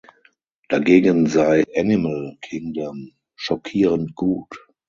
Dagegen sei "Animal Kingdom" „schockierend gut“.